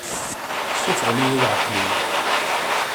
Ssufɣen-iyi i leɛqel-iw.